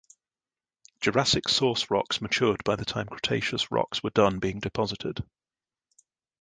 Jurassic source rocks matured by the time Cretaceous rocks were done being deposited.